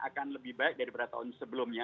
akan lebih baik dari pada tahun sebelumnya